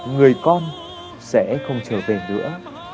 người con sẽ không trở về nữa